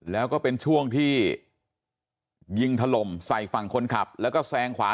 แล้วก็เป็นช่วงที่ยิงถล่มใส่ฝั่งคนขับแล้วก็แซงขวา